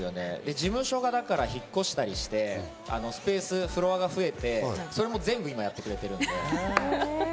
事務所が引っ越したりしてスペース、フロアが増えたりして、それも全部やってくれてるんで。